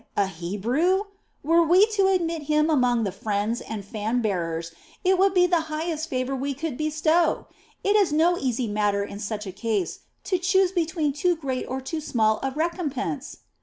A Hebrew! Were we to admit him among the 'friends' or 'fan bearers' it would be the highest favor we could bestow! It is no easy matter in such a case to choose between too great or too small a recompense."